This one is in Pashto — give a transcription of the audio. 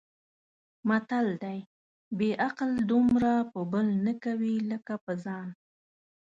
متل دی: بې عقل دومره په بل نه کوي لکه په ځان.